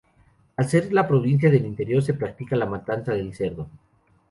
Al ser la provincia de interior, se practica la matanza del cerdo.